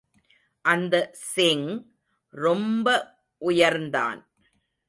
அந்த சிங் ரொம்ப உயரந்தான்.